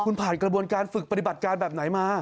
คุณผ่านกระบวนการฝึกปฏิบัติการแบบไหนมา